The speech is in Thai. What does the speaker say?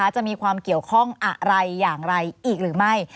จะมีความเกี่ยวข้องอะไรอย่างไรอีกหรือไม่